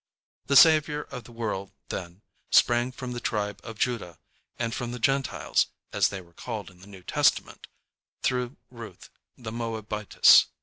] The Saviour of the world, then, sprang from the tribe of Judah, and from the Gentiles, as they are called in the New Testament, through Ruth the Moabitess.